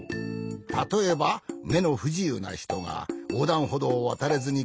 たとえばめのふじゆうなひとがおうだんほどうをわたれずにこまっているとしよう。